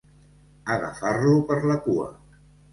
Agafar-lo per la cua.